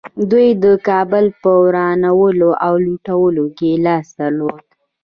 دوی د کابل په ورانولو او لوټولو کې لاس درلود